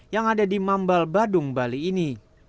yang ada di mambal badung bali ini